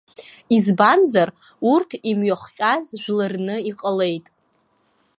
Избанзар, урҭ имҩахҟьаз жәларны иҟалеит.